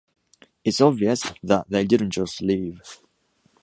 It's obvious that they didn't just leave.